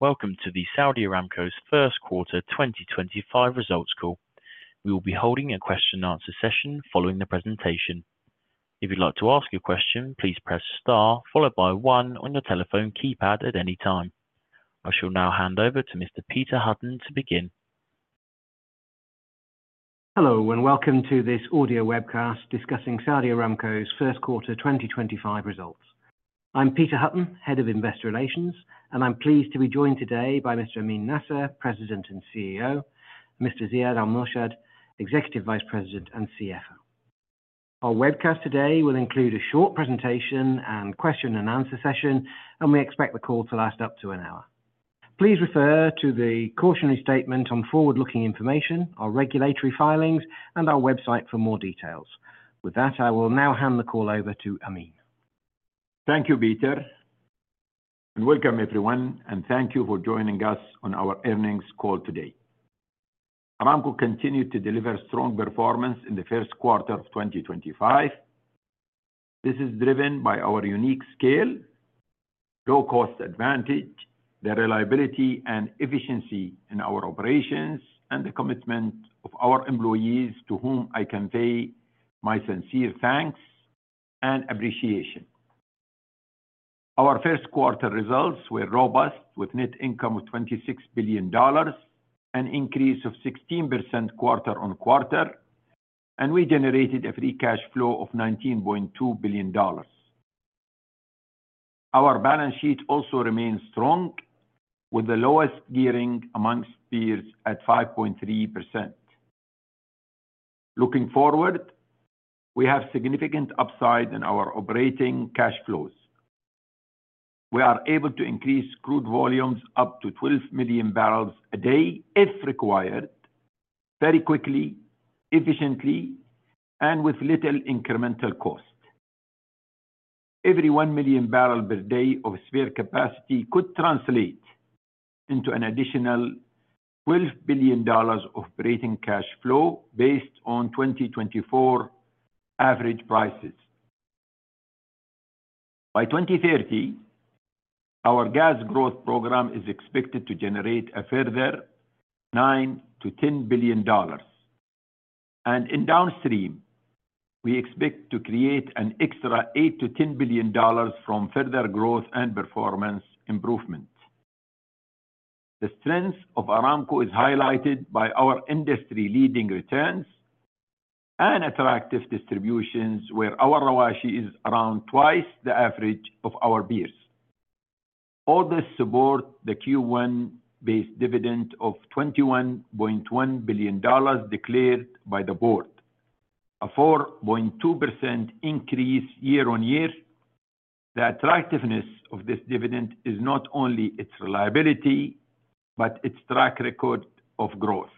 Welcome to the Saudi Aramco's first quarter 2025 results call. We will be holding a question-and-answer session following the presentation. If you'd like to ask a question, please press star followed by one on your telephone keypad at any time. I shall now hand over to Mr. Peter Hutton to begin. Hello and welcome to this audio webcast discussing Saudi Aramco's first quarter 2025 results. I'm Peter Hutton, Head of Investor Relations, and I'm pleased to be joined today by Mr. Amin Nasser, President and CEO, and Mr. Ziad Al-Murshed, Executive Vice President and CFO. Our webcast today will include a short presentation and question-and-answer session, and we expect the call to last up to an hour. Please refer to the cautionary statement on forward-looking information, our regulatory filings, and our website for more details. With that, I will now hand the call over to Amin. Thank you, Peter. Welcome, everyone, and thank you for joining us on our earnings call today. Aramco continued to deliver strong performance in the first quarter of 2025. This is driven by our unique scale, low-cost advantage, the reliability and efficiency in our operations, and the commitment of our employees to whom I convey my sincere thanks and appreciation. Our first quarter results were robust, with a net income of $26 billion, an increase of 16% quarter-on-quarter, and we generated a free cash flow of $19.2 billion. Our balance sheet also remained strong, with the lowest gearing amongst peers at 5.3%. Looking forward, we have significant upside in our operating cash flows. We are able to increase crude volumes up to 12 million barrels a day if required, very quickly, efficiently, and with little incremental cost. Every 1 million barrels per day of spare capacity could translate into an additional $12 billion of operating cash flow based on 2024 average prices. By 2030, our gas growth program is expected to generate a further $9 billion-$10 billion, and in downstream, we expect to create an extra $8 billion-$10 billion from further growth and performance improvement. The strength of Aramco is highlighted by our industry-leading returns and attractive distributions, where our ROACE is around twice the average of our peers. All this supports the Q1-based dividend of $21.1 billion declared by the board, a 4.2% increase year-on-year. The attractiveness of this dividend is not only its reliability but its track record of growth.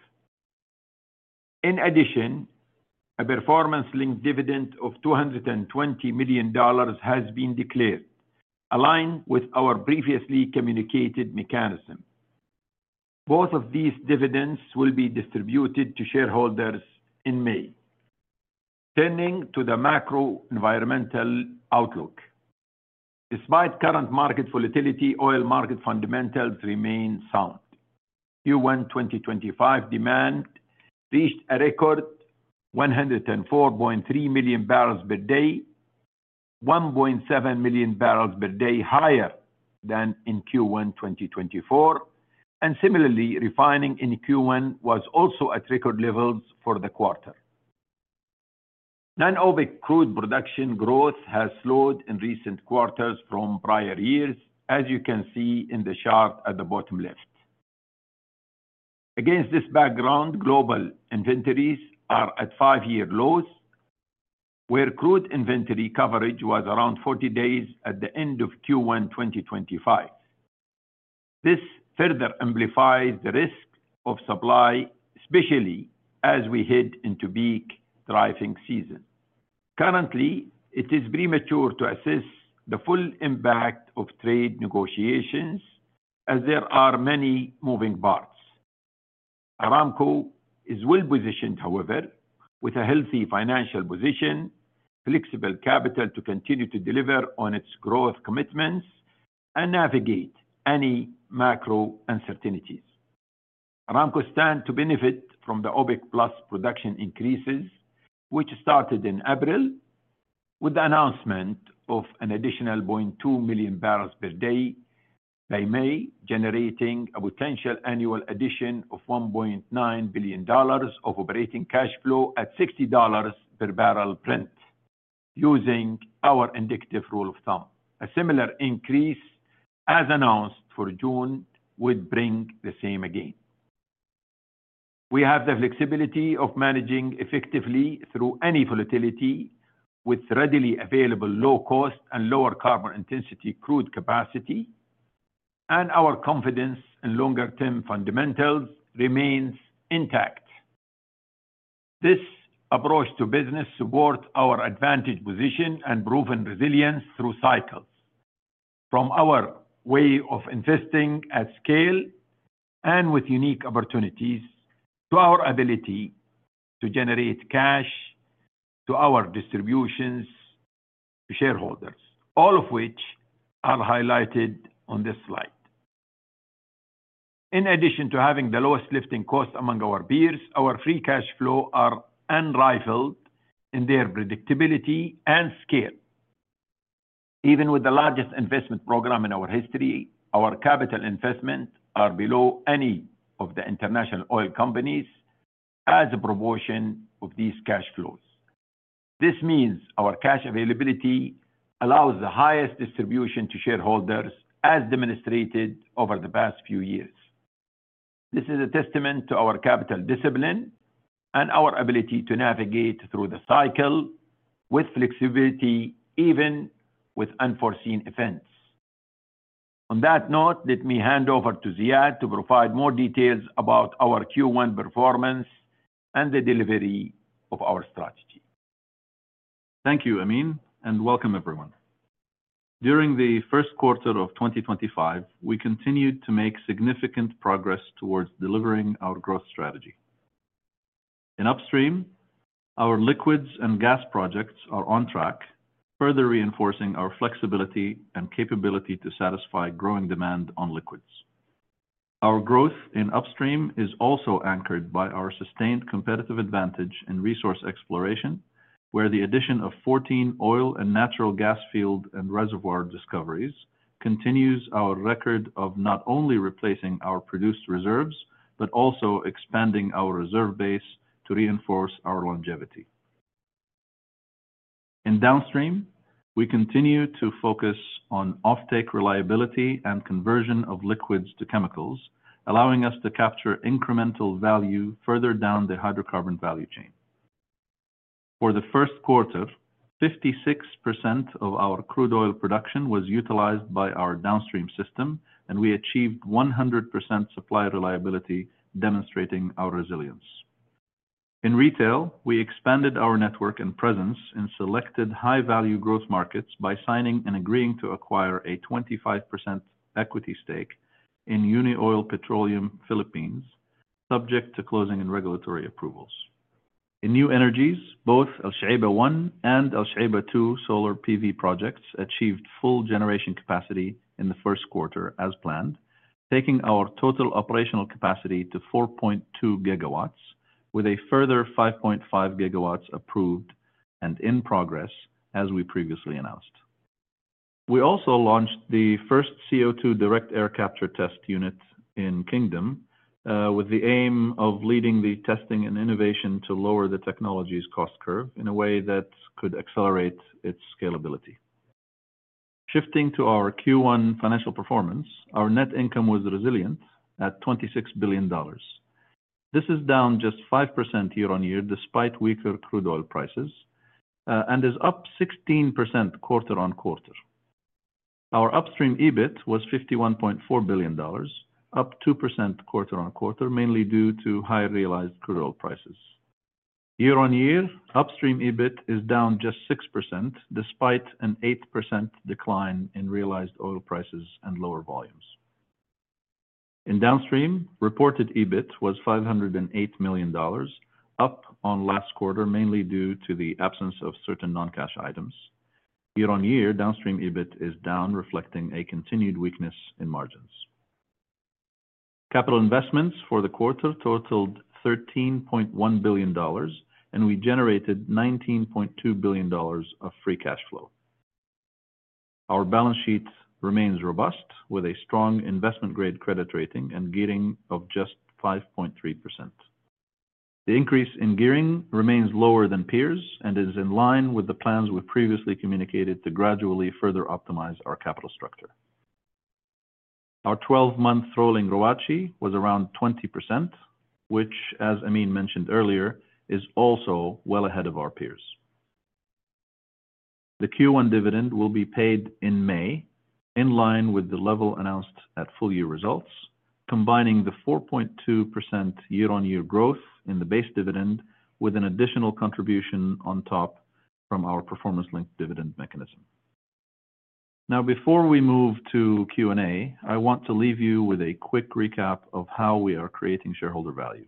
In addition, a performance-linked dividend of $220 million has been declared, aligned with our previously communicated mechanism. Both of these dividends will be distributed to shareholders in May. Turning to the macro-environmental outlook, despite current market volatility, oil market fundamentals remain sound. Q1 2025 demand reached a record 104.3 million barrels per day, 1.7 million barrels per day higher than in Q1 2024, and similarly, refining in Q1 was also at record levels for the quarter. Non-OPEC crude production growth has slowed in recent quarters from prior years, as you can see in the chart at the bottom left. Against this background, global inventories are at five-year lows, where crude inventory coverage was around 40 days at the end of Q1 2025. This further amplifies the risk of supply, especially as we head into peak driving season. Currently, it is premature to assess the full impact of trade negotiations, as there are many moving parts. Aramco is well-positioned, however, with a healthy financial position, flexible capital to continue to deliver on its growth commitments, and navigate any macro uncertainties. Aramco stands to benefit from the OPEC+ production increases, which started in April, with the announcement of an additional 0.2 million barrels per day by May, generating a potential annual addition of $1.9 billion of operating cash flow at $60 per barrel print using our indicative rule of thumb. A similar increase, as announced for June, would bring the same again. We have the flexibility of managing effectively through any volatility, with readily available low-cost and lower carbon intensity crude capacity, and our confidence in longer-term fundamentals remains intact. This approach to business supports our advantage position and proven resilience through cycles, from our way of investing at scale and with unique opportunities to our ability to generate cash to our distributions to shareholders, all of which are highlighted on this slide. In addition to having the lowest lifting cost among our peers, our free cash flows are unrivaled in their predictability and scale. Even with the largest investment program in our history, our capital investments are below any of the international oil companies as a proportion of these cash flows. This means our cash availability allows the highest distribution to shareholders as demonstrated over the past few years. This is a testament to our capital discipline and our ability to navigate through the cycle with flexibility, even with unforeseen events. On that note, let me hand over to Ziad to provide more details about our Q1 performance and the delivery of our strategy. Thank you, Amin, and welcome everyone. During the first quarter of 2025, we continued to make significant progress towards delivering our growth strategy. In upstream, our liquids and gas projects are on track, further reinforcing our flexibility and capability to satisfy growing demand on liquids. Our growth in upstream is also anchored by our sustained competitive advantage in resource exploration, where the addition of 14 oil and natural gas field and reservoir discoveries continues our record of not only replacing our produced reserves but also expanding our reserve base to reinforce our longevity. In downstream, we continue to focus on offtake reliability and conversion of liquids to chemicals, allowing us to capture incremental value further down the hydrocarbon value chain. For the first quarter, 56% of our crude oil production was utilized by our downstream system, and we achieved 100% supply reliability, demonstrating our resilience. In retail, we expanded our network and presence in selected high-value growth markets by signing and agreeing to acquire a 25% equity stake in Unioil Petroleum Philippines, subject to closing and regulatory approvals. In new energies, both Al Shuaibah 1 and Al Shuaibah 2 solar PV projects achieved full generation capacity in the first quarter as planned, taking our total operational capacity to 4.2 GW, with a further 5.5 GW approved and in progress, as we previously announced. We also launched the first CO2 direct air capture test unit in Kingdom, with the aim of leading the testing and innovation to lower the technology's cost curve in a way that could accelerate its scalability. Shifting to our Q1 financial performance, our net income was resilient at $26 billion. This is down just 5% year-on-year despite weaker crude oil prices and is up 16% quarter-on-quarter. Our upstream EBIT was $51.4 billion, up 2% quarter-on-quarter, mainly due to high realized crude oil prices. Year-on-year, upstream EBIT is down just 6% despite an 8% decline in realized oil prices and lower volumes. In downstream, reported EBIT was $508 million, up on last quarter, mainly due to the absence of certain non-cash items. Year-on-year, downstream EBIT is down, reflecting a continued weakness in margins. Capital investments for the quarter totaled $13.1 billion, and we generated $19.2 billion of free cash flow. Our balance sheet remains robust, with a strong investment-grade credit rating and gearing of just 5.3%. The increase in gearing remains lower than peers and is in line with the plans we previously communicated to gradually further optimize our capital structure. Our 12-month rolling ROACE was around 20%, which, as Amin mentioned earlier, is also well ahead of our peers. The Q1 dividend will be paid in May, in line with the level announced at full-year results, combining the 4.2% year-on-year growth in the base dividend with an additional contribution on top from our performance-linked dividend mechanism. Now, before we move to Q&A, I want to leave you with a quick recap of how we are creating shareholder value.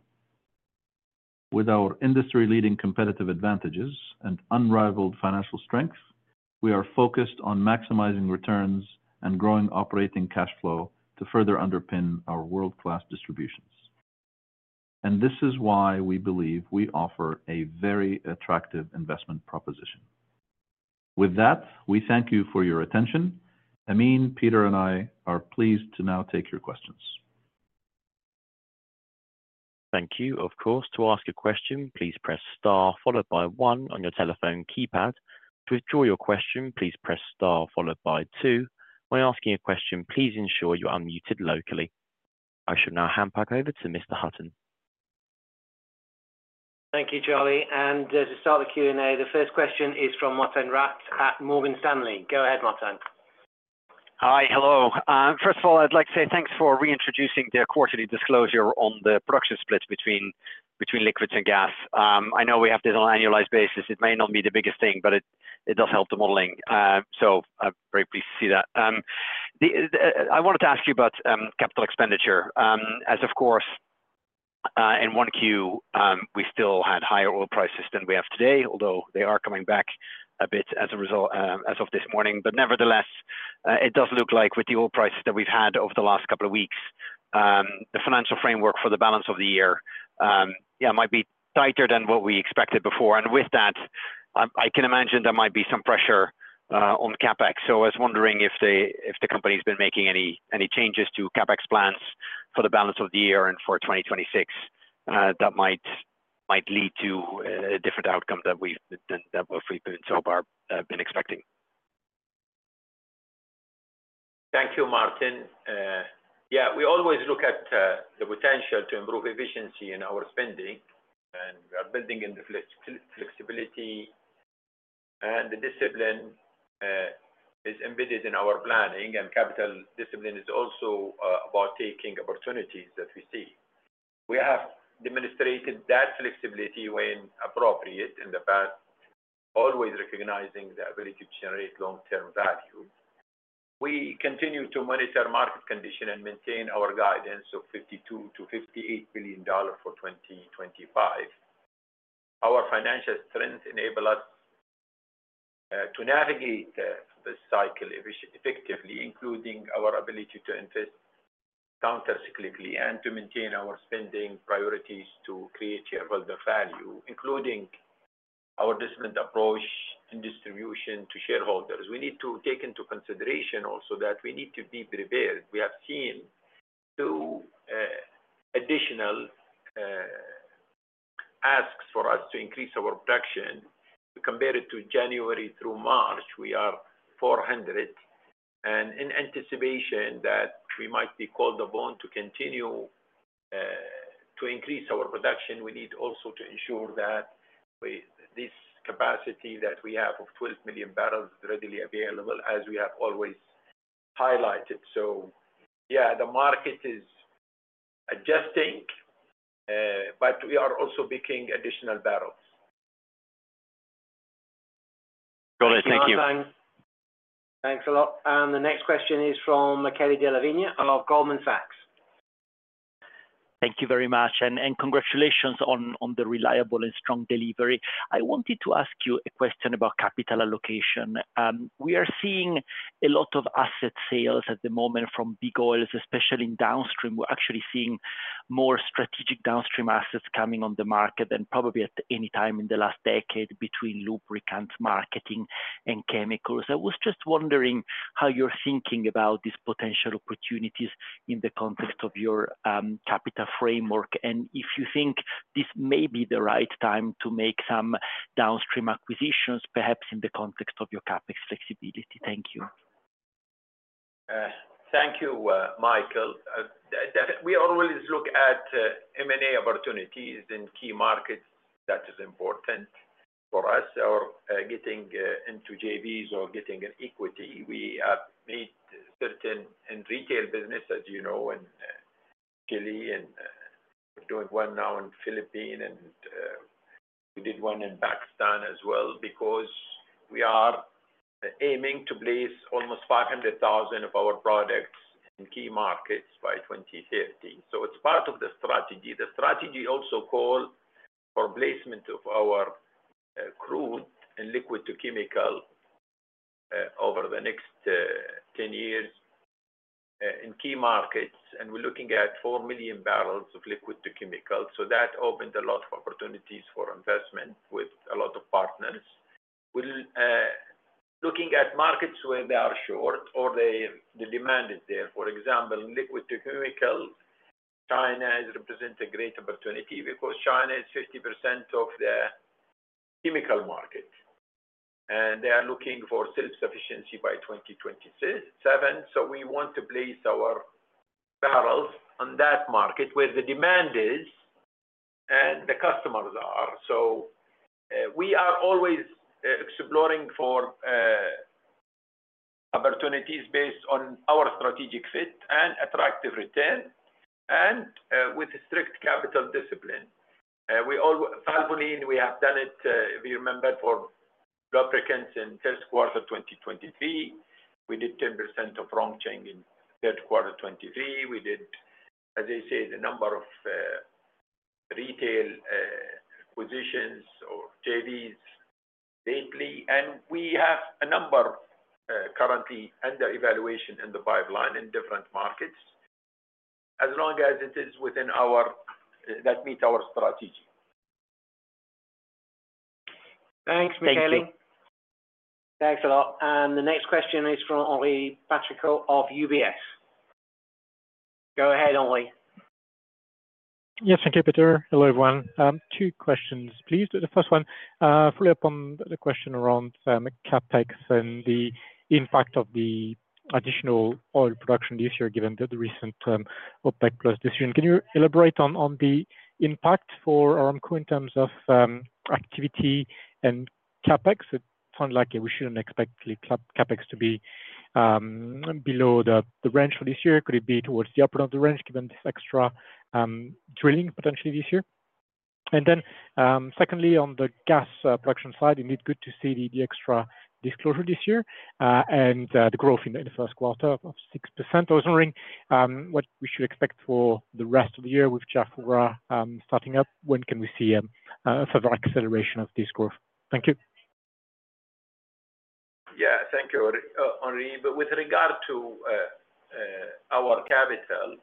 With our industry-leading competitive advantages and unrivaled financial strength, we are focused on maximizing returns and growing operating cash flow to further underpin our world-class distributions. This is why we believe we offer a very attractive investment proposition. With that, we thank you for your attention. Amin, Peter, and I are pleased to now take your questions. Thank you. Of course, to ask a question, please press star followed by one on your telephone keypad. To withdraw your question, please press star followed by two. When asking a question, please ensure you're unmuted locally. I shall now hand back over to Mr. Hutton. Thank you, Charlie. To start the Q&A, the first question is from Martin Rath at Morgan Stanley. Go ahead, Martin. Hi, hello. First of all, I'd like to say thanks for reintroducing the quarterly disclosure on the production split between liquids and gas. I know we have this on an annualized basis. It may not be the biggest thing, but it does help the modeling. So I'm very pleased to see that. I wanted to ask you about capital expenditure, as of course, in one Q, we still had higher oil prices than we have today, although they are coming back a bit as of this morning. Nevertheless, it does look like with the oil prices that we've had over the last couple of weeks, the financial framework for the balance of the year, yeah, might be tighter than what we expected before. With that, I can imagine there might be some pressure on CapEx. I was wondering if the company has been making any changes to CapEx plans for the balance of the year and for 2026, that might lead to a different outcome than we've been expecting. Thank you, Martin. Yeah, we always look at the potential to improve efficiency in our spending, and we are building in the flexibility, and the discipline is embedded in our planning. Capital discipline is also about taking opportunities that we see. We have demonstrated that flexibility when appropriate in the past, always recognizing the ability to generate long-term value. We continue to monitor market condition and maintain our guidance of $52 billion-$58 billion for 2025. Our financial strength enables us to navigate this cycle effectively, including our ability to invest countercyclically and to maintain our spending priorities to create shareholder value, including our discipline approach and distribution to shareholders. We need to take into consideration also that we need to be prepared. We have seen two additional asks for us to increase our production. Compared to January through March, we are 400. In anticipation that we might be called upon to continue to increase our production, we need also to ensure that this capacity that we have of 12 million barrels is readily available, as we have always highlighted. Yeah, the market is adjusting, but we are also picking additional barrels. Thank you. Thanks a lot. The next question is from Michele Della Vigna of Goldman Sachs. Thank you very much. Congratulations on the reliable and strong delivery. I wanted to ask you a question about capital allocation. We are seeing a lot of asset sales at the moment from big oils, especially in downstream. We're actually seeing more strategic downstream assets coming on the market than probably at any time in the last decade between lubricants, marketing, and chemicals. I was just wondering how you're thinking about these potential opportunities in the context of your capital framework, and if you think this may be the right time to make some downstream acquisitions, perhaps in the context of your CapEx flexibility. Thank you. Thank you, Michele. We always look at M&A opportunities in key markets. That is important for us. Or getting into JVs or getting equity. We have made certain in retail business, as you know, and actually doing one now in the Philippines, and we did one in Pakistan as well, because we are aiming to place almost 500,000 of our products in key markets by 2030. It is part of the strategy. The strategy also calls for placement of our crude and liquid to chemical over the next 10 years in key markets. We are looking at 4 million barrels of liquid to chemical. That opened a lot of opportunities for investment with a lot of partners. Looking at markets where they are short or the demand is there. For example, liquids-to-chemicals, China is representing a great opportunity because China is 50% of the chemical market, and they are looking for self-sufficiency by 2027. We want to place our barrels on that market where the demand is and the customers are. We are always exploring for opportunities based on our strategic fit and attractive return and with strict capital discipline. We have done it, if you remember, for lubricants in first quarter 2023. We did 10% of Rongsheng in third quarter 2023. As I said, we did a number of retail acquisitions or JVs lately. We have a number currently under evaluation in the pipeline in different markets, as long as it is within our that meets our strategy. Thanks, Michelle. Thank you. Thanks a lot. The next question is from Henri Patricot of UBS. Go ahead, Henri. Yes, thank you, Peter. Hello, everyone. Two questions, please. The first one, following up on the question around CapEx and the impact of the additional oil production this year, given the recent OPEC+ decision. Can you elaborate on the impact for Aramco in terms of activity and CapEx? It sounded like we shouldn't expect CapEx to be below the range for this year. Could it be towards the upper end of the range, given this extra drilling potentially this year? Secondly, on the gas production side, indeed, good to see the extra disclosure this year and the growth in the first quarter of 6%. I was wondering what we should expect for the rest of the year with Jafurah starting up. When can we see a further acceleration of this growth? Thank you. Yeah, thank you, Henri. With regard to our capital,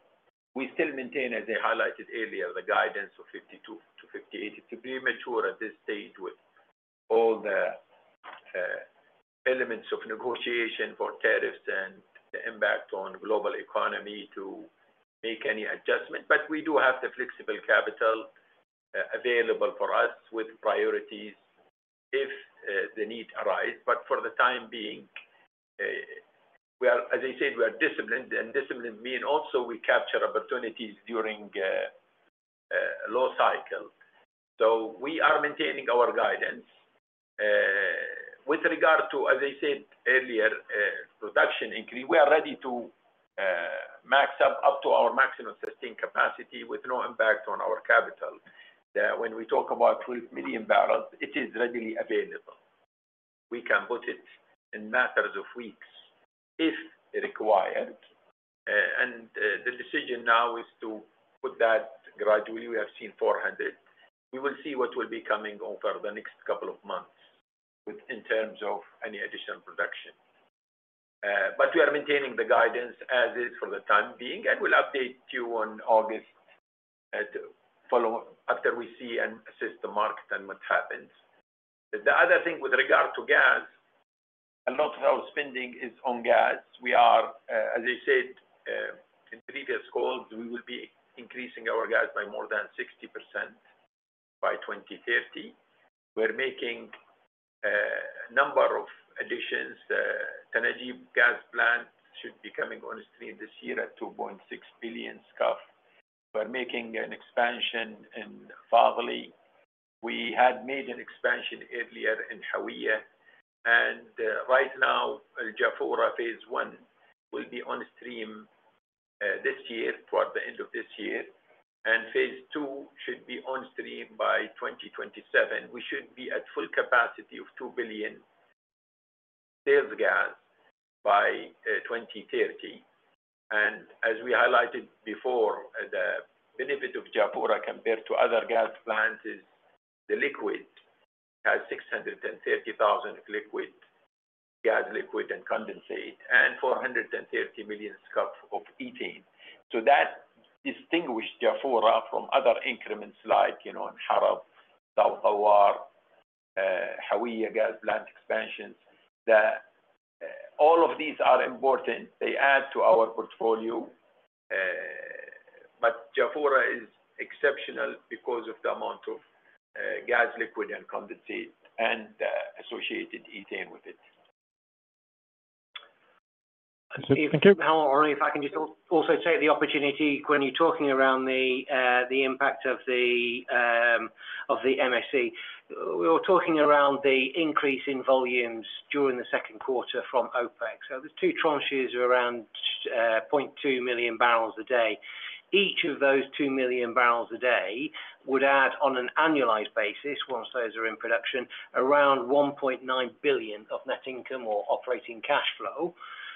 we still maintain, as I highlighted earlier, the guidance of $52 billion-$58 billion. It is premature at this stage with all the elements of negotiation for tariffs and the impact on the global economy to make any adjustment. We do have the flexible capital available for us with priorities if the need arises. For the time being, as I said, we are disciplined. Discipline means also we capture opportunities during a low cycle. We are maintaining our guidance. With regard to, as I said earlier, production increase, we are ready to max up to our maximum sustained capacity with no impact on our capital. When we talk about 12 million barrels, it is readily available. We can put it in matters of weeks if required. The decision now is to put that gradually. We have seen 400. We will see what will be coming over the next couple of months in terms of any additional production. We are maintaining the guidance as is for the time being, and we will update you in August after we see and assist the market and what happens. The other thing with regard to gas, a lot of our spending is on gas. We are, as I said in previous calls, we will be increasing our gas by more than 60% by 2030. We are making a number of additions. Energy Gas Plant should be coming on stream this year at 2.6 billion scf. We are making an expansion in Fadhili. We had made an expansion earlier in Hawiyah. Right now, Jafurah phase one will be on stream this year, toward the end of this year. Phase two should be on stream by 2027. We should be at full capacity of 2 billion sales gas by 2030. As we highlighted before, the benefit of Jafura compared to other gas plants is the liquid. It has 630,000 of liquid, gas liquid and condensate, and 430 million scf of ethane. That distinguishes Jafurah from other increments like in Haradh, South Ghawar, Hawiyah Gas Plant expansions. All of these are important. They add to our portfolio. Jafurah is exceptional because of the amount of gas liquid and condensate and associated ethane with it. Thank you. How long, Henri? If I can just also take the opportunity when you're talking around the impact of the MSC. We were talking around the increase in volumes during the second quarter from OPEC+. There are two tranches of around 0.2 million barrels a day. Each of those 0.2 million barrels a day would add, on an annualized basis, once those are in production, around $1.9 billion of net income or operating cash flow.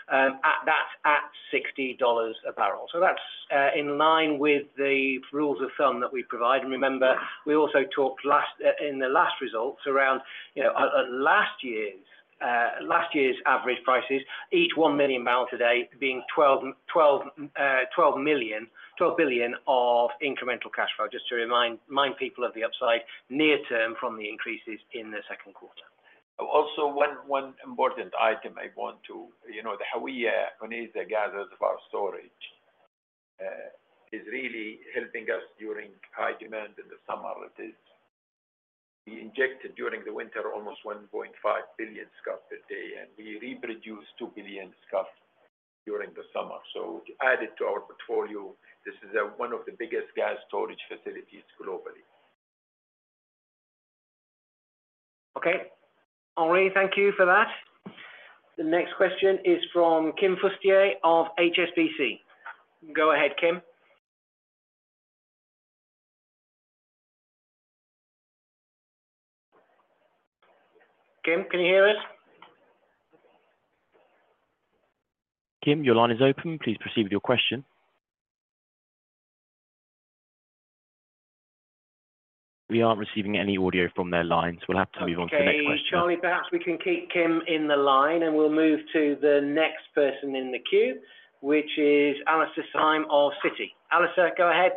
That's at $60 a barrel. That is in line with the rules of thumb that we provide. Remember, we also talked in the last results around last year's average prices, each 1 million barrels a day being $12 billion of incremental cash flow. Just to remind people of the upside near-term from the increases in the second quarter. Also, one important item I want to, the Hawiyah gas reservoir storage is really helping us during high demand in the summer. We injected during the winter almost 1.5 billion scf per day, and we reproduced 2 billion scf during the summer. Added to our portfolio, this is one of the biggest gas storage facilities globally. Okay. Henrie, thank you for that. The next question is from Kim Fustier of HSBC. Go ahead, Kim. Kim, can you hear us? Kim, your line is open. Please proceed with your question. We are not receiving any audio from their line, so we will have to move on to the next question. Thank you, Charlie. Perhaps we can keep Kim on the line, and we'll move to the next person in the queue, which is Alastair Syme of Citi. Alastair, go ahead.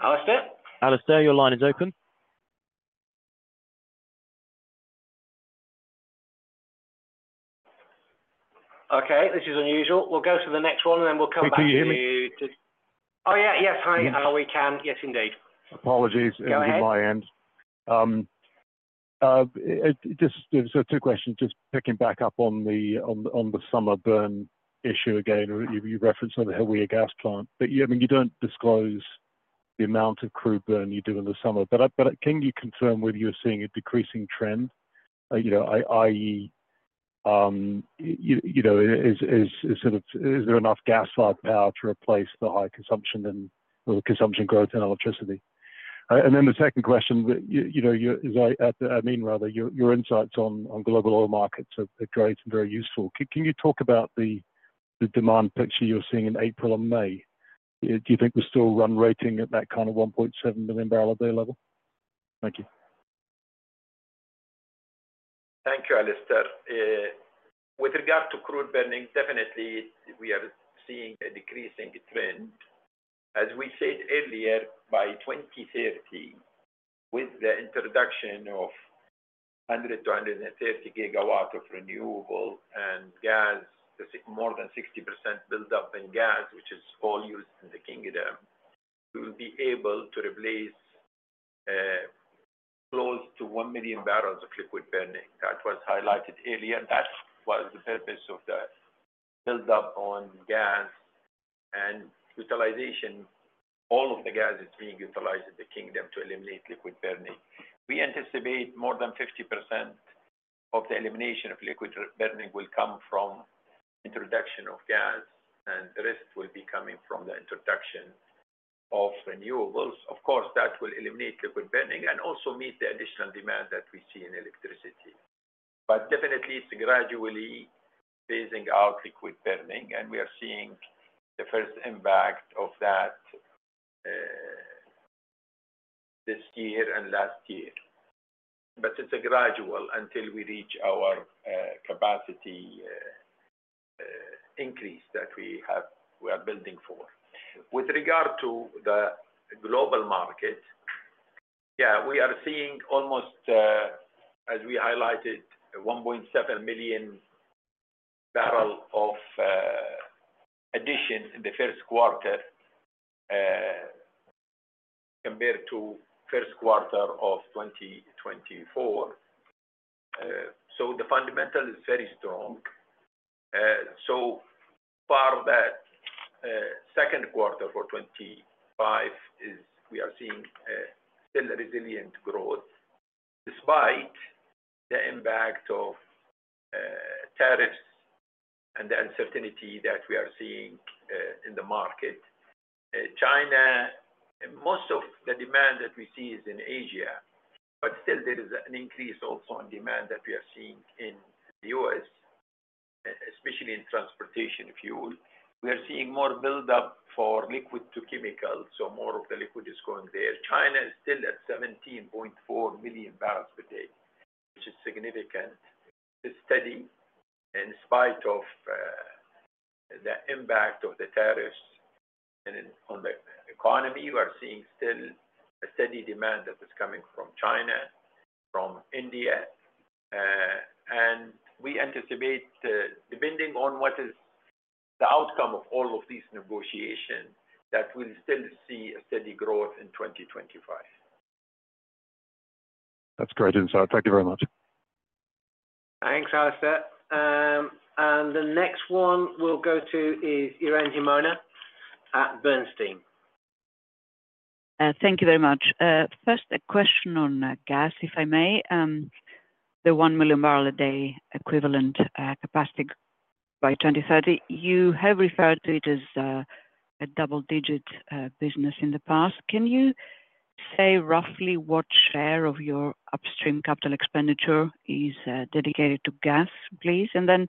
Alastair? Alastair, your line is open. Okay. This is unusual. We'll go to the next one, and then we'll come back to you. Can you hear me? Oh, yeah. Yes, hi. We can. Yes, indeed. Apologies. It was my end. Two questions. Just picking back up on the summer burn issue again. You referenced the Hawiyah gas plant. I mean, you do not disclose the amount of crude burn you do in the summer. Can you confirm whether you are seeing a decreasing trend, i.e., is there enough gas-fired power to replace the high consumption and consumption growth in electricity? The second question is, I mean, your insights on global oil markets are very useful. Can you talk about the demand picture you are seeing in April and May? Do you think we are still run rating at that kind of 1.7 million barrel a day level? Thank you. Thank you, Alastair. With regard to crude burning, definitely we are seeing a decreasing trend. As we said earlier, by 2030, with the introduction of 100 GW-130 GW of renewable and gas, more than 60% buildup in gas, which is all used in the Kingdom, we will be able to replace close to 1 million barrels of liquid burning. That was highlighted earlier. That was the purpose of the buildup on gas and utilization. All of the gas is being utilized in the Kingdom to eliminate liquid burning. We anticipate more than 50% of the elimination of liquid burning will come from introduction of gas, and the rest will be coming from the introduction of renewables. Of course, that will eliminate liquid burning and also meet the additional demand that we see in electricity. It is gradually phasing out liquid burning, and we are seeing the first impact of that this year and last year. It is gradual until we reach our capacity increase that we are building for. With regard to the global market, yeah, we are seeing almost, as we highlighted, 1.7 million barrels of addition in the first quarter compared to first quarter of 2024. The fundamental is very strong. So far that second quarter for 2025 is we are seeing still resilient growth despite the impact of tariffs and the uncertainty that we are seeing in the market. China, most of the demand that we see is in Asia. There is an increase also in demand that we are seeing in the U.S., especially in transportation fuel. We are seeing more buildup for liquid to chemical. More of the liquid is going there. China is still at 17.4 million barrels per day, which is significant. It is steady in spite of the impact of the tariffs on the economy. We are seeing still a steady demand that is coming from China, from India. We anticipate, depending on what is the outcome of all of these negotiations, that we will still see a steady growth in 2025. That's great insight. Thank you very much. Thanks, Alastair. The next one we'll go to is Irene Himona at Bernstein. Thank you very much. First, a question on gas, if I may. The 1 million barrel a day equivalent capacity by 2030, you have referred to it as a double-digit business in the past. Can you say roughly what share of your upstream capital expenditure is dedicated to gas, please? Then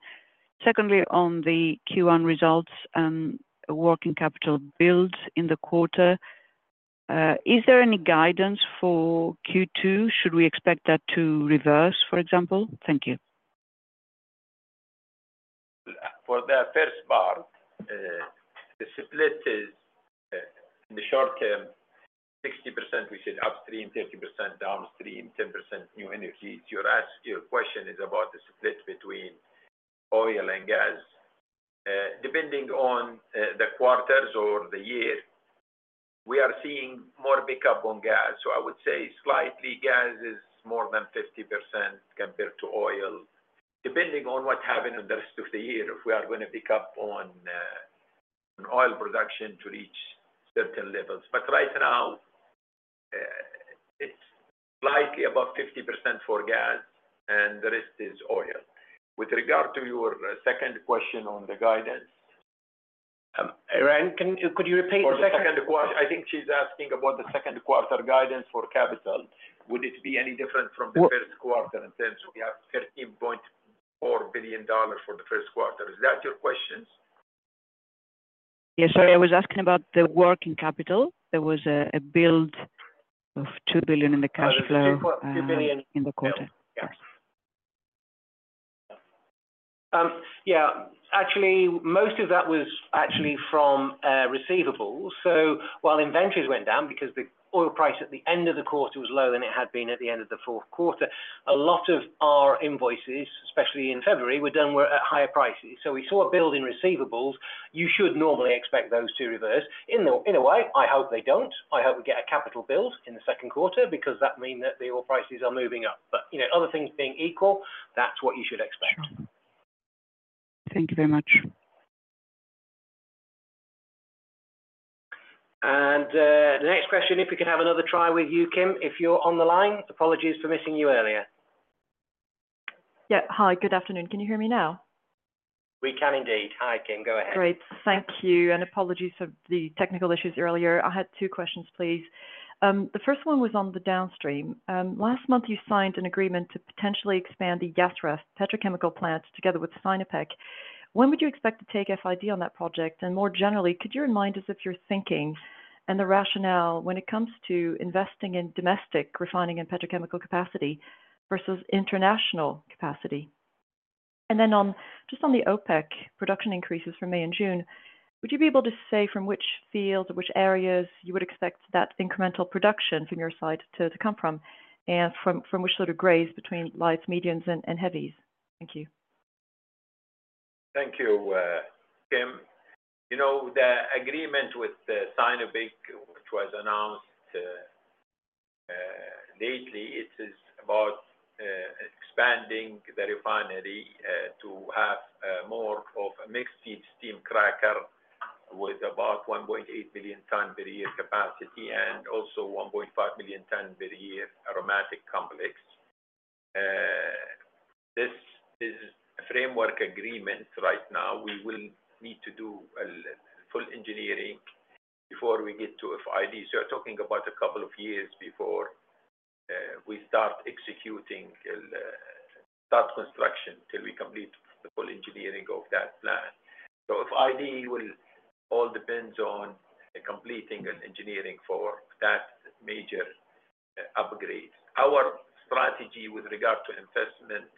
secondly, on the Q1 results, working capital builds in the quarter. Is there any guidance for Q2? Should we expect that to reverse, for example? Thank you. For the first part, the split is in the short term, 60% we said upstream, 30% downstream, 10% new energies. Your question is about the split between oil and gas. Depending on the quarters or the year, we are seeing more pickup on gas. I would say slightly gas is more than 50% compared to oil, depending on what happened in the rest of the year, if we are going to pick up on oil production to reach certain levels. Right now, it's slightly above 50% for gas, and the rest is oil. With regard to your second question on the guidance. Irene, could you repeat the second question? I think she's asking about the second quarter guidance for capital. Would it be any different from the first quarter in terms of we have $13.4 billion for the first quarter? Is that your question? Yes, sorry. I was asking about the working capital. There was a build of $2 billion in the cash flow. $2 billion in the quarter. Yeah. Actually, most of that was actually from receivables. While inventories went down because the oil price at the end of the quarter was lower than it had been at the end of the fourth quarter, a lot of our invoices, especially in February, were done at higher prices. We saw a build in receivables. You should normally expect those to reverse. In a way, I hope they do not. I hope we get a capital build in the second quarter because that means that the oil prices are moving up. Other things being equal, that is what you should expect. Thank you very much. The next question, if we can have another try with you, Kim, if you're on the line. Apologies for missing you earlier. Yeah. Hi. Good afternoon. Can you hear me now? We can indeed. Hi, Kim. Go ahead. Great. Thank you. Apologies for the technical issues earlier. I had two questions, please. The first one was on the downstream. Last month, you signed an agreement to potentially expand the Yasref petrochemical plant together with Sinopec. When would you expect to take FID on that project? More generally, could you remind us of your thinking and the rationale when it comes to investing in domestic refining and petrochemical capacity versus international capacity? Just on the OPEC production increases for May and June, would you be able to say from which fields or which areas you would expect that incremental production from your side to come from and from which sort of grades between lights, mediums, and heavies? Thank you. Thank you, Kim. The agreement with Sinopec, which was announced lately, it is about expanding the refinery to have more of a mixed steam cracker with about 1.8 million ton per year capacity and also 1.5 million ton per year aromatic complex. This is a framework agreement right now. We will need to do full engineering before we get to FID. We are talking about a couple of years before we start executing that construction until we complete the full engineering of that plant. FID will all depend on completing an engineering for that major upgrade. Our strategy with regard to investment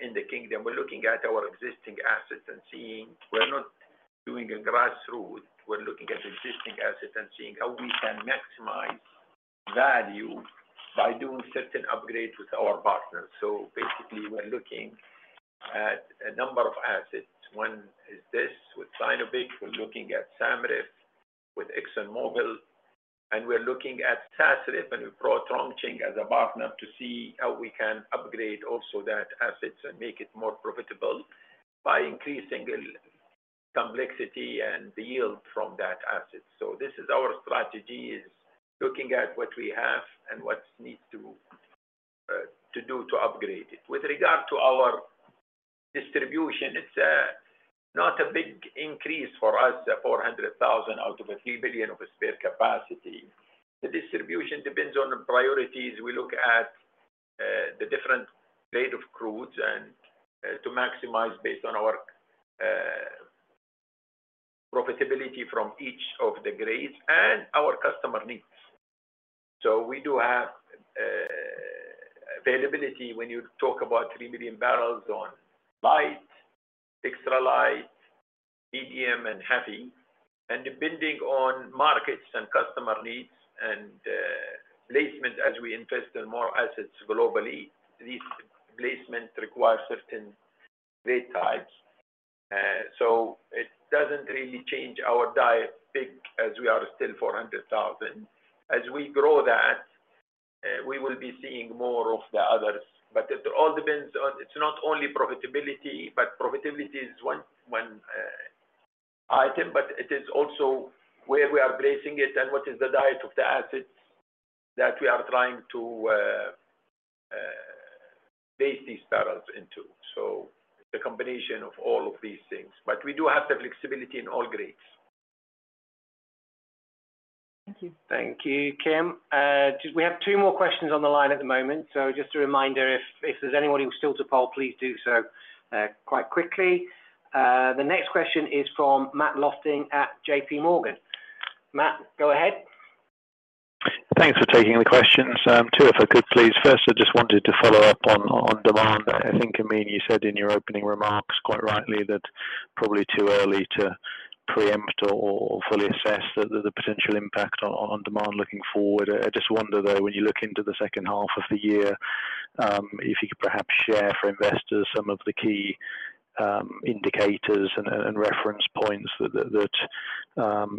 in the Kingdom, we are looking at our existing assets and seeing we are not doing a grassroots. We are looking at existing assets and seeing how we can maximize value by doing certain upgrades with our partners. Basically, we are looking at a number of assets. One is this with Sinopec. We're looking at SAMREF with ExxonMobil. We're looking at SATORP, and we brought Rongsheng as a partner to see how we can upgrade also that asset and make it more profitable by increasing complexity and the yield from that asset. This is our strategy, looking at what we have and what needs to do to upgrade it. With regard to our distribution, it's not a big increase for us, 400,000 out of a 3 billion of spare capacity. The distribution depends on the priorities. We look at the different grade of crudes to maximize based on our profitability from each of the grades and our customer needs. We do have availability when you talk about 3 million barrels on light, extra light, medium, and heavy. Depending on markets and customer needs and placement, as we invest in more assets globally, these placements require certain grade types. It does not really change our diet big as we are still 400,000. As we grow that, we will be seeing more of the others. It all depends on, it is not only profitability, profitability is one item, but it is also where we are placing it and what is the diet of the assets that we are trying to place these barrels into. It is a combination of all of these things. We do have the flexibility in all grades. Thank you. Thank you, Kim. We have two more questions on the line at the moment. Just a reminder, if there's anybody who's still to poll, please do so quite quickly. The next question is from Matt Lofting at J.P.Morgan. Matt, go ahead. Thanks for taking the questions. Two if I could, please. First, I just wanted to follow up on demand. I think, I mean, you said in your opening remarks quite rightly that probably too early to preempt or fully assess the potential impact on demand looking forward. I just wonder, though, when you look into the second half of the year, if you could perhaps share for investors some of the key indicators and reference points that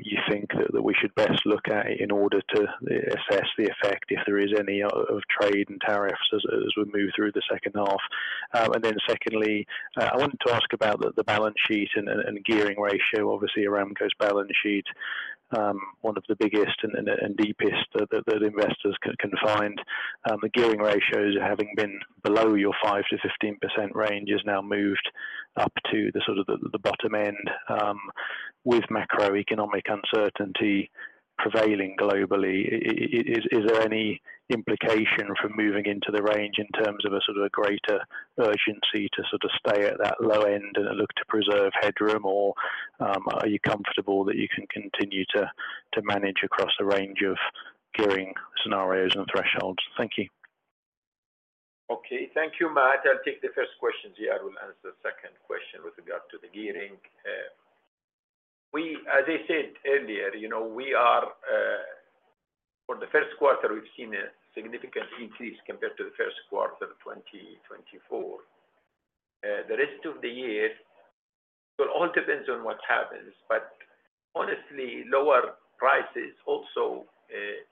you think that we should best look at in order to assess the effect, if there is any of trade and tariffs as we move through the second half. Secondly, I wanted to ask about the balance sheet and gearing ratio, obviously Aramco's balance sheet, one of the biggest and deepest that investors can find. The gearing ratios, having been below your 5%-15% range, is now moved up to the sort of the bottom end with macroeconomic uncertainty prevailing globally. Is there any implication for moving into the range in terms of a sort of a greater urgency to sort of stay at that low end and look to preserve headroom, or are you comfortable that you can continue to manage across a range of gearing scenarios and thresholds? Thank you. Okay. Thank you, Matt. I'll take the first question. Yeah, I will answer the second question with regard to the gearing. As I said earlier, we are for the first quarter, we've seen a significant increase compared to the first quarter of 2024. The rest of the year, it all depends on what happens. Honestly, lower prices also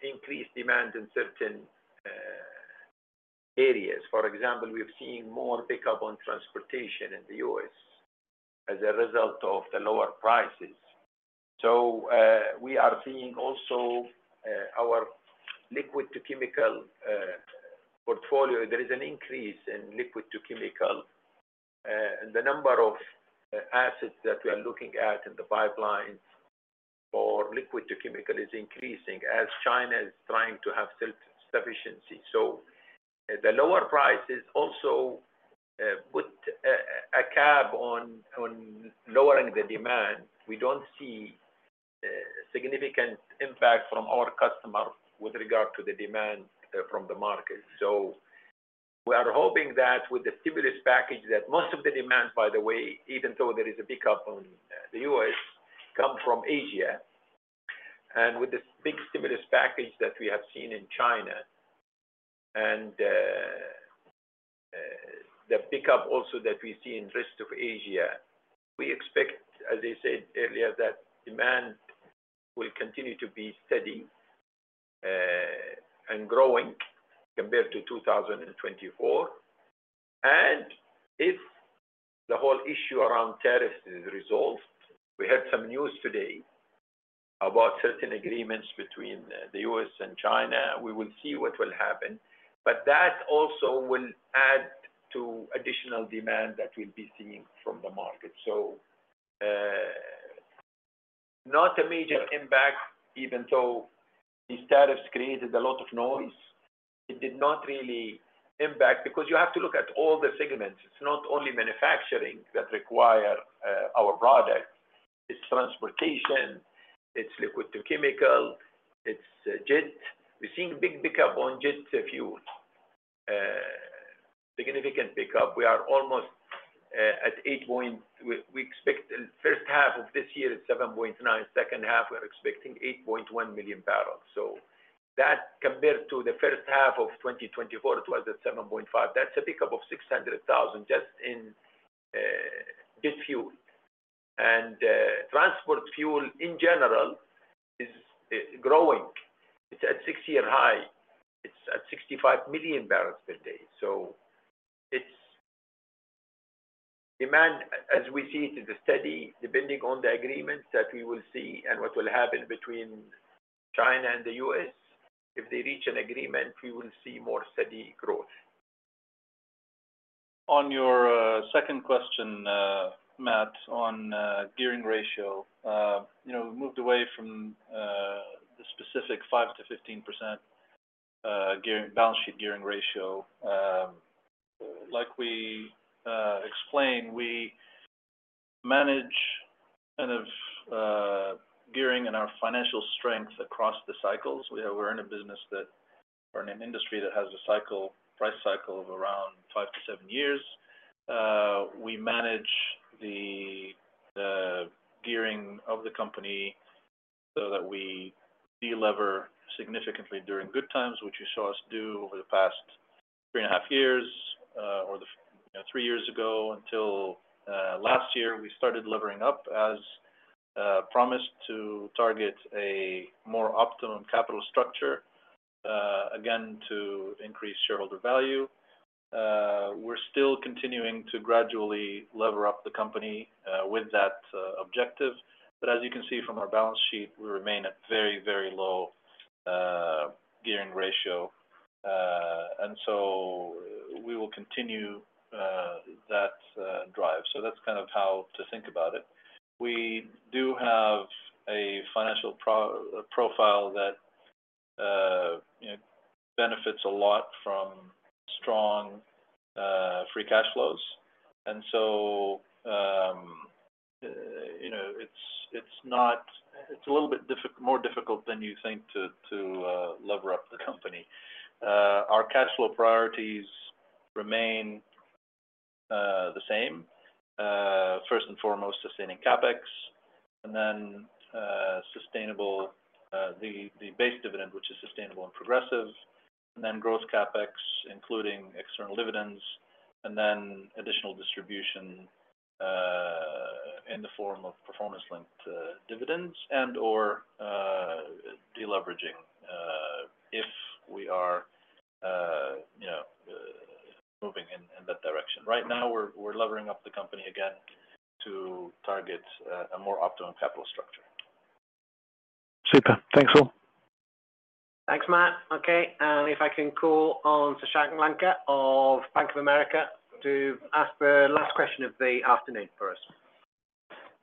increase demand in certain areas. For example, we're seeing more pickup on transportation in the U.S. as a result of the lower prices. We are seeing also our liquids-to-chemicals portfolio. There is an increase in liquids-to-chemicals. The number of assets that we are looking at in the pipeline for liquids-to-chemicals is increasing as China is trying to have self-sufficiency. The lower prices also put a cap on lowering the demand. We do not see a significant impact from our customer with regard to the demand from the market. We are hoping that with the stimulus package, that most of the demand, by the way, even though there is a pickup in the U.S., comes from Asia. With the big stimulus package that we have seen in China and the pickup also that we see in the rest of Asia, we expect, as I said earlier, that demand will continue to be steady and growing compared to 2024. If the whole issue around tariffs is resolved, we had some news today about certain agreements between the U.S. and China. We will see what will happen. That also will add to additional demand that we will be seeing from the market. Not a major impact, even though these tariffs created a lot of noise. It did not really impact because you have to look at all the segments. It's not only manufacturing that requires our product. It's transportation. It's liquids-to-chemicals. It's jet. We're seeing big pickup on jet fuel. Significant pickup. We are almost at 8. We expect the first half of this year at 7.9. Second half, we're expecting 8.1 million barrels. That compared to the first half of 2024, it was at 7.5. That's a pickup of 600,000 just in jet fuel. Transport fuel in general is growing. It's at six-year high. It's at 65 million barrels per day. Demand, as we see it, is steady depending on the agreements that we will see and what will happen between China and the U.S. If they reach an agreement, we will see more steady growth. On your second question, Matt, on gearing ratio, we moved away from the specific 5%-15% balance sheet gearing ratio. Like we explained, we manage kind of gearing and our financial strength across the cycles. We're in a business that or an industry that has a price cycle of around five to seven years. We manage the gearing of the company so that we deliver significantly during good times, which you saw us do over the past three and a half years or three years ago until last year. We started levering up as promised to target a more optimum capital structure, again, to increase shareholder value. We're still continuing to gradually lever up the company with that objective. As you can see from our balance sheet, we remain at very, very low gearing ratio. We will continue that drive. That's kind of how to think about it. We do have a financial profile that benefits a lot from strong free cash flows. It's a little bit more difficult than you think to lever up the company. Our cash flow priorities remain the same. First and foremost, sustaining CapEx, and then the base dividend, which is sustainable and progressive, and then gross CapEx, including external dividends, and then additional distribution in the form of performance-linked dividends and/or deleveraging if we are moving in that direction. Right now, we're levering up the company again to target a more optimum capital structure. Super. Thanks all. Thanks, Matt. Okay. If I can call on Sasha of Bank of America to ask the last question of the afternoon for us.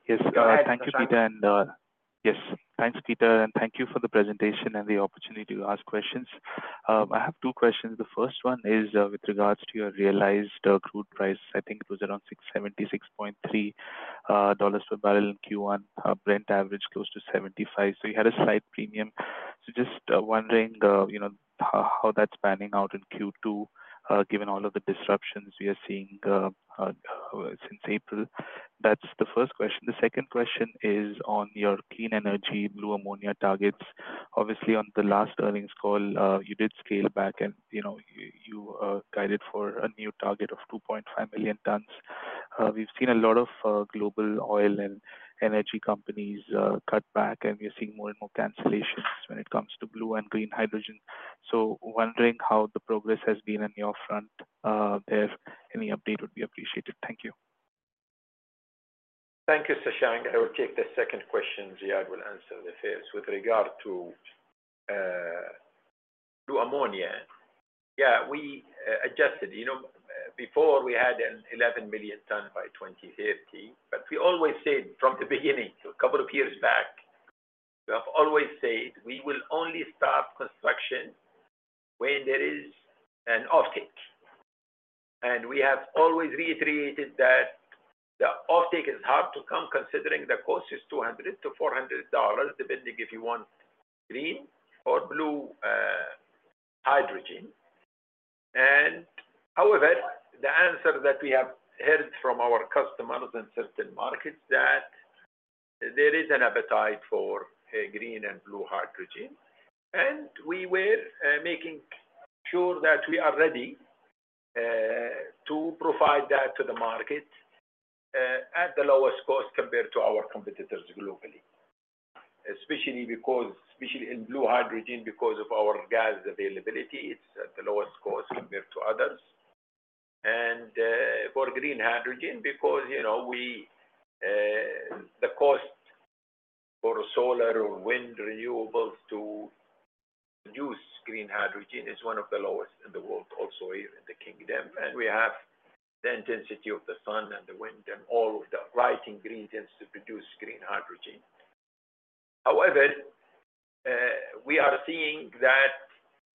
Yes. Thank you, Peter. Yes, thanks, Peter. Thank you for the presentation and the opportunity to ask questions. I have two questions. The first one is with regards to your realized crude price. I think it was around $76.3 per barrel in Q1, Brent average close to $75. You had a slight premium. Just wondering how that's panning out in Q2, given all of the disruptions we are seeing since April. That's the first question. The second question is on your clean energy, blue ammonia targets. Obviously, on the last earnings call, you did scale back, and you guided for a new target of 2.5 million tons. We've seen a lot of global oil and energy companies cut back, and we're seeing more and more cancellations when it comes to blue and green hydrogen. Wondering how the progress has been on your front there. Any update would be appreciated. Thank you. Thank you, Sasha. I will take the second question. Ziad will answer the first with regard to blue ammonia. Yeah, we adjusted. Before, we had an 11 million ton by 2030. We always said from the beginning, a couple of years back, we have always said we will only start construction when there is an offtake. We have always reiterated that the offtake is hard to come considering the cost is $200-$400, depending if you want green or blue hydrogen. However, the answer that we have heard from our customers in certain markets is that there is an appetite for green and blue hydrogen. We were making sure that we are ready to provide that to the market at the lowest cost compared to our competitors globally, especially in blue hydrogen because of our gas availability. It's at the lowest cost compared to others. For green hydrogen, because the cost for solar or wind renewables to produce green hydrogen is one of the lowest in the world, also here in the Kingdom. We have the intensity of the sun and the wind and all of the right ingredients to produce green hydrogen. However, we are seeing that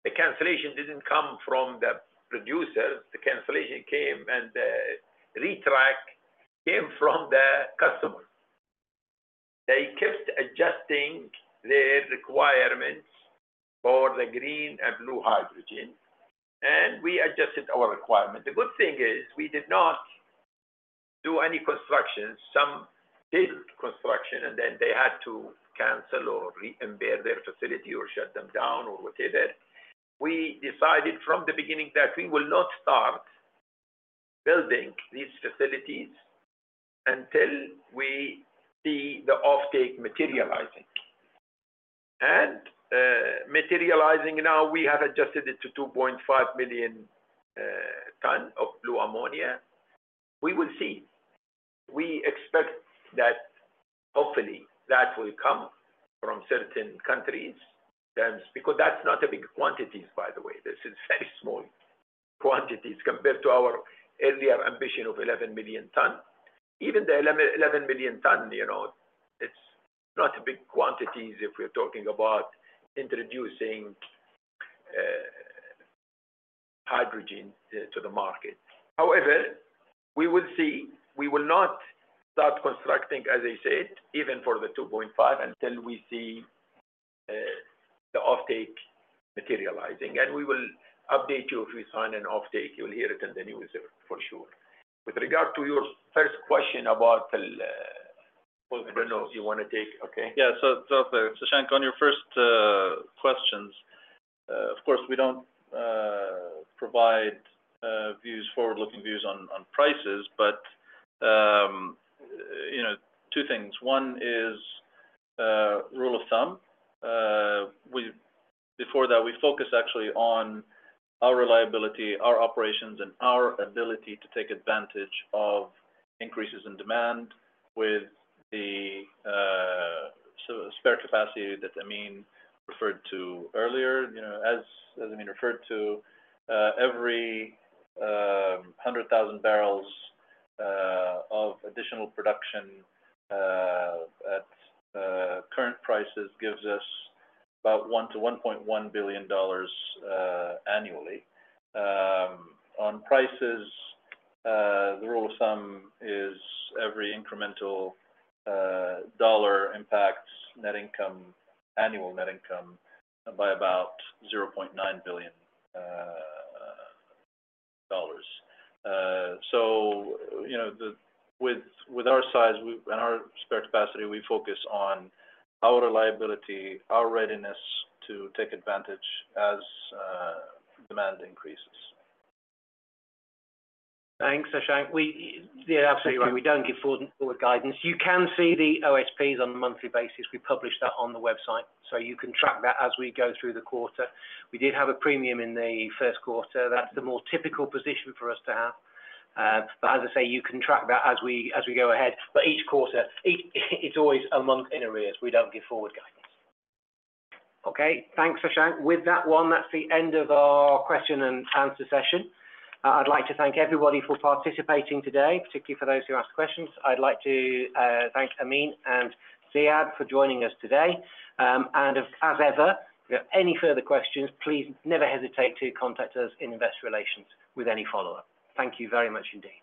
the cancellation did not come from the producers. The cancellation came and the retract came from the customers. They kept adjusting their requirements for the green and blue hydrogen, and we adjusted our requirements. The good thing is we did not do any construction. Some did construction, and then they had to cancel or reimburse their facility or shut them down or whatever. We decided from the beginning that we will not start building these facilities until we see the offtake materializing. Materializing now, we have adjusted it to 2.5 million tons of blue ammonia. We will see. We expect that, hopefully, that will come from certain countries because that's not a big quantities, by the way. This is very small quantities compared to our earlier ambition of 11 million tons. Even the 11 million tons, it's not a big quantities if we're talking about introducing hydrogen to the market. However, we will see. We will not start constructing, as I said, even for the 2.5 until we see the offtake materializing. We will update you if we sign an offtake. You will hear it in the news for sure. With regard to your first question about the—I don't know if you want to take okay. Yeah. Sasha, on your first questions, of course, we do not provide forward-looking views on prices, but two things. One is rule of thumb. Before that, we focus actually on our reliability, our operations, and our ability to take advantage of increases in demand with the spare capacity that Amin referred to earlier. As Amin referred to, every 100,000 barrels of additional production at current prices gives us about $1 billion-$1.1 billion annually. On prices, the rule of thumb is every incremental dollar impacts annual net income by about $0.9 billion. With our size and our spare capacity, we focus on our reliability, our readiness to take advantage as demand increases. Thanks, Sasha. You're absolutely right. We don't give forward-forward guidance. You can see the OSPs on a monthly basis. We publish that on the website. You can track that as we go through the quarter. We did have a premium in the first quarter. That's the more typical position for us to have. As I say, you can track that as we go ahead. Each quarter, it's always a month in arrears. We don't give forward guidance. Okay. Thanks, Sasha. With that one, that's the end of our question and answer session. I'd like to thank everybody for participating today, particularly for those who asked questions. I'd like to thank Amin and Ziad for joining us today. As ever, if you have any further questions, please never hesitate to contact us in investor relations with any follow-up. Thank you very much indeed.